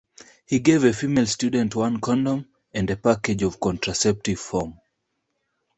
He gave a female student one condom and a package of contraceptive foam.